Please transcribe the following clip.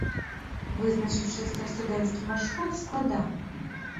Вызначыць чыста студэнцкі маршрут складана.